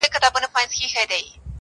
د پوځي او امنیتي بنسټونو